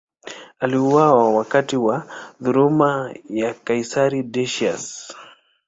Aliuawa wakati wa dhuluma ya kaisari Decius.